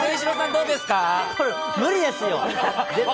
無理ですよ。